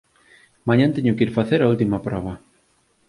Mañá teño que ir facer a última proba.